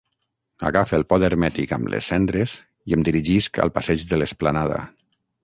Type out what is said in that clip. Agafe el pot hermètic amb les cendres i em dirigisc al passeig de l'Esplanada.